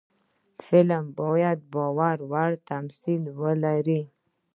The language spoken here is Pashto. فلم باید باور وړ تمثیل ولري